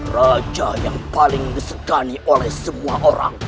raja yang paling disekali oleh semua orang